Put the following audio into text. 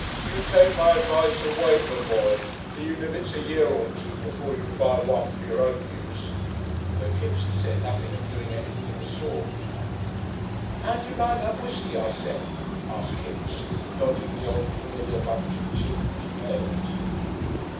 You take my advice and wait, me boy, even if it's a year or two, before you buy one for your own use." (Though Kipps had said nothing of doing anything of the sort.) "'Ow d'you like that whiskey I sent?" asked Kipps, dodging the old familiar bunch of children's pails.